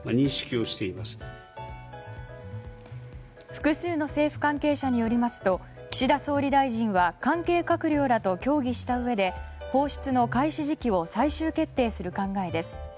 複数の政府関係者によりますと岸田総理大臣は関係閣僚らと協議したうえで放出の開始時期を最終決定する考えです。